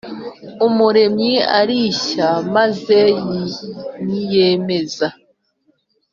Umuremyi ari nshya maze niyemeza